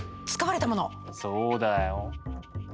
そうだよ。